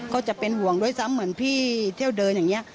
ก็จะเป็นห่วงด้วยซ้ำเหมือนพี่เที่ยวเดินอย่างนี้